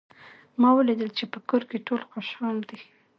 ما ولیدل چې په کور کې ټول خوشحال دي